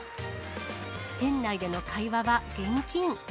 店内での会話は厳禁。